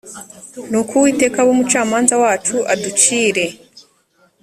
nuko uwiteka abe umucamanza wacu aducire